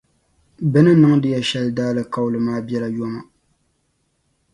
bɛ ni niŋdi ya shɛli daalikauli maa bela yoma.